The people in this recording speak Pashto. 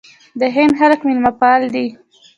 د هند خلک میلمه پال دي.